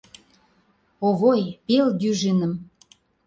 Овой, пел дюжиным!